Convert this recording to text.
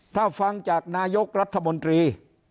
ถ้าฟังจากนายกรัฐมนตรี